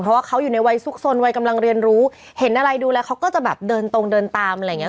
เพราะว่าเขาอยู่ในวัยซุกสนวัยกำลังเรียนรู้เห็นอะไรดูแลเขาก็จะแบบเดินตรงเดินตามอะไรอย่างเงี้